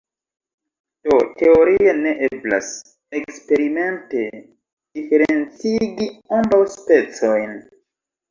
Do teorie ne eblas eksperimente diferencigi ambaŭ specojn.